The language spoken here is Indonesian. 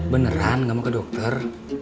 beneran gak mau ke dokter